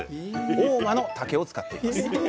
合馬の竹を使っています